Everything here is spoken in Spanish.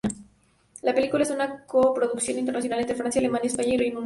La película es una coproducción internacional entre Francia, Alemania, España y Reino Unido.